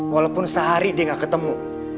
walaupun sehari dia nggak ketemu